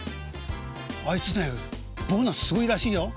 「あいつねボーナスすごいらしいよ」。